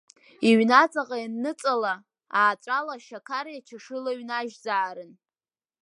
Иҩнаҵаҟа ианныҵала, ааҵәала ашьақари ачашылеи ҩнажьзаарын…